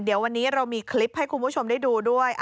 เดี๋ยววันนี้เรามีคลิปให้คุณผู้ชมได้ดูด้วย